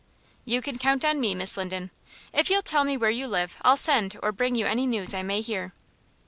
"You can count on me, Miss Linden. If you'll tell me where you live I'll send or bring you any news I may hear."